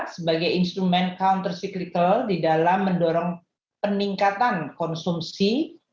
sebagai instrument counter cyclical di dalam mendorong peningkatan konsumsi